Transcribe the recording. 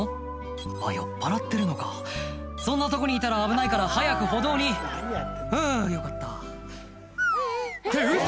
あっ酔っぱらってるのかそんなとこにいたら危ないから早く歩道にあぁよかったってウソ！